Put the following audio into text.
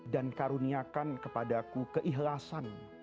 dan karuniakan kepada aku keikhlasan